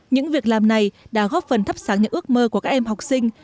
những việc làm này đã góp phần thắp sáng những ước mơ của các em học sinh